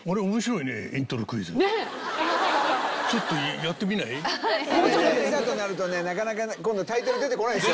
いやいやいざとなるとねなかなかね今度タイトル出てこないんですよ